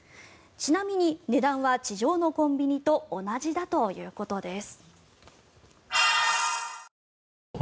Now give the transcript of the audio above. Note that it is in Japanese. ちなみに値段は地上のコンビニと同じだということです。